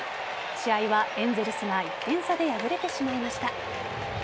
試合はエンゼルスが１点差で敗れてしまいました。